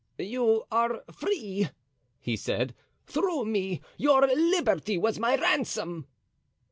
"You are free," he said, "through me; your liberty was my ransom."